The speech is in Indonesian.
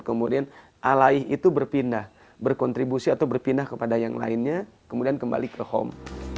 kemudian alaih itu berpindah berkontribusi atau berpindah kepada yang lainnya kemudian kembali ke home